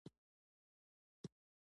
هغې وويل د مور مې پنځوس سنټه پهکار دي.